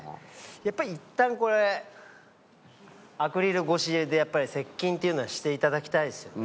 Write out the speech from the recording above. やっぱりいったんこれアクリル越しでやっぱり接近っていうのはしていただきたいですよね。